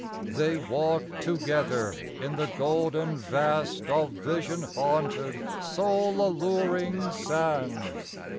58 Ill They walk together in the golden vast Of vision haunted, soul alluring sands.